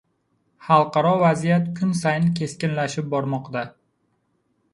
Xalqaro vaziyat kun sayin keskinlashib bormoqda...